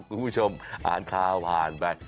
คุณผู้ชมอ่านข่าวผ่านไป